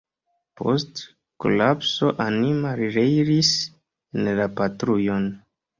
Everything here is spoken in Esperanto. Post kolapso anima li reiris en la patrujon.